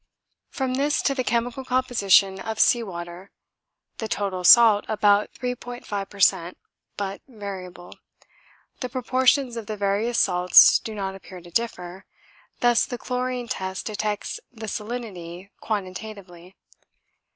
From this to the chemical composition of sea water, the total salt about 3.5 per cent, but variable: the proportions of the various salts do not appear to differ, thus the chlorine test detects the salinity quantitatively.